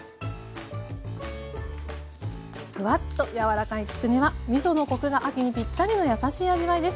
ふわっとやわらかいつくねはみそのコクが秋にぴったりのやさしい味わいです。